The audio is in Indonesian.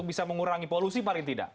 bisa mengurangi polusi paling tidak